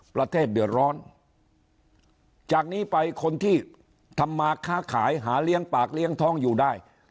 ประเทศเดือดร้อนจากนี้ไปคนที่ทำมาค้าขายหาเลี้ยงปากเลี้ยงท้องอยู่ได้